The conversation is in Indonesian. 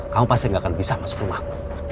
kamu pasti gak akan bisa masuk rumahku